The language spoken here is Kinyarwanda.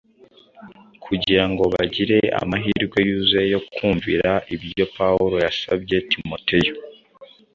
kugira ngo bagire amahirwe yuzuye yo kumvira ibyo Pawulo yasabye Timoteyo